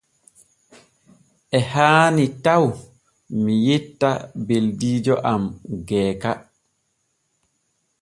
E haani taw mi yetta beldiijo am Geeka.